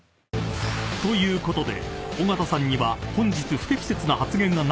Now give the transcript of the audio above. ［ということで］